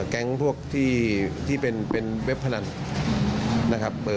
แก๊งพวกที่เป็นเว็บพนันนะครับ